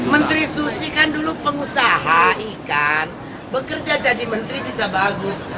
menteri susi kan dulu pengusaha ikan bekerja jadi menteri bisa bagus